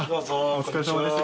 お疲れさまです。